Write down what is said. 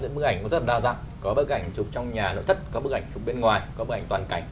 bức ảnh có rất là đa dạng có bức ảnh chụp trong nhà nội thất có bức ảnh chụp bên ngoài có bức ảnh toàn cảnh